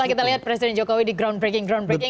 kita lihat presiden jokowi di groundbreaking groundbreaking